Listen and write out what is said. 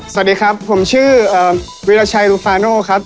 สวัสดีผมชื่อวิราชายหลุฟาโนครับ